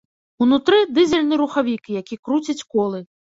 Унутры дызельны рухавік, які круціць колы.